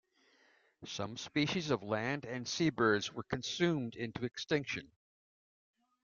Some species of land and sea birds were consumed into extinction.